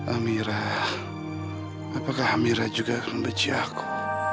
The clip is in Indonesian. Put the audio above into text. amira apakah amira juga akan membeji aku